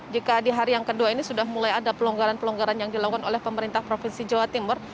jika di hari yang kedua ini sudah mulai ada pelonggaran pelonggaran yang dilakukan oleh pemerintah provinsi jawa timur